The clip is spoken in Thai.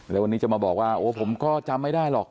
แล้ววันนี้จะมาบอกว่าโอ้ผมก็จำไม่ได้หรอก